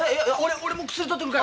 俺も薬取ってくるから。